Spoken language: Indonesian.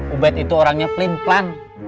ubed itu orangnya flim plam